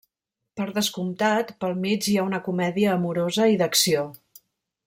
Per descomptat, pel mig hi ha una comèdia amorosa i d'acció.